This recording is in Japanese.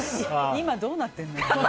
今、どうなってるの。